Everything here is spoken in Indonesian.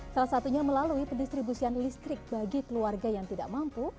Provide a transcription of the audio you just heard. salah satunya melalui pendistribusian listrik bagi keluarga yang tidak mampu